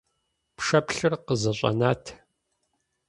Пшэплъыр къызэщӀэнат.